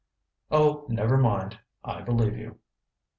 "Oh, never mind. I believe you."